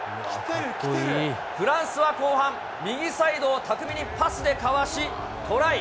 フランスは後半、右サイドを巧みにパスでかわし、トライ。